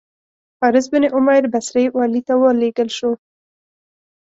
حارث بن عمیر بصري والي ته ولېږل شو.